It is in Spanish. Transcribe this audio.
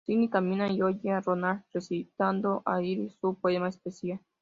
Cindy camina y oye a Ronald recitando a Iris su poema especial.